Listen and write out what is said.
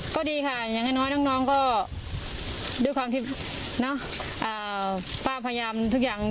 ก็ดีค่ะอย่างน้อยน้องก็ด้วยความที่ป้าพยายามทุกอย่าง